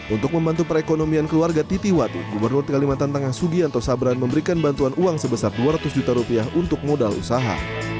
untuk membantu perekonomian keluarga titi wati gubernur kalimantan tengah sugianto sabran memberikan bantuan uang sebesar dua ratus juta rupiah untuk modal usaha